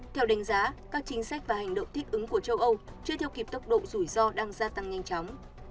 theo đánh giá các chính sách và hành động thích ứng của châu âu chưa theo kịp tốc độ rủi ro đang gia tăng nhanh chóng